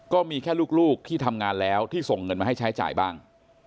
ก็มีแค่ลูกที่ทำงานแล้วที่ส่งเงินมาให้ใช้จ่ายบ้าง